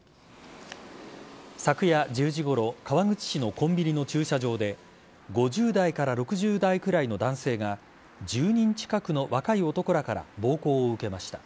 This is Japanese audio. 昨夜１０時ごろ川口市のコンビニの駐車場で５０代から６０代くらいの男性が１０人近くの若い男らから暴行を受けました。